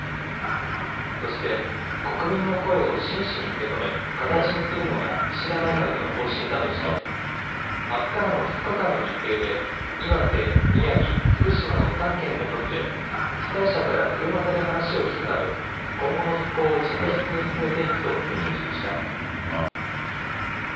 そして国民の声を真摯に受け止め形にするのが岸田内閣の方針だとしてあすからの２日間の日程で岩手、宮城、福島の３県を訪れ被災者から車座で話を聴くなど今後の復興を着実に進めていくと強調しました。